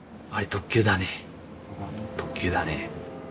特急だね。